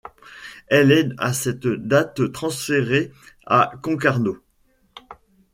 Elle est à cette date transférée à Concarneau.